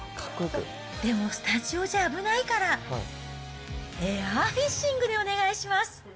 でもスタジオじゃ危ないから、エアーフィッシングでお願いします。